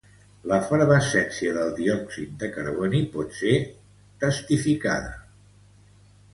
L'efervescència del diòxid de carboni pot ser testificada.